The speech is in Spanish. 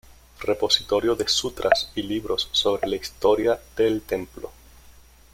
Repositorio de sutras y libros sobre la historia del templo.